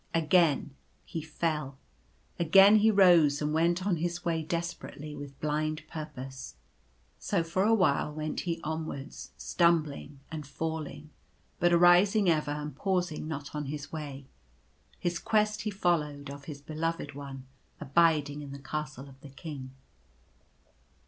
Again he fell. Again he rose and went on his way desperately, with blind purpose. So for a while went he onwards, stumbling and falling ; but arising ever and pausing not on his way. His quest he followed, of his Beloved One abiding in the Castle of the King.